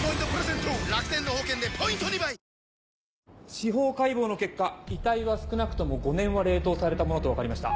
司法解剖の結果遺体は少なくとも５年は冷凍されたものと分かりました。